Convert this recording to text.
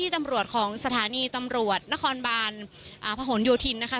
ตำรวจของสถานีตำรวจนครบานพหนโยธินนะคะ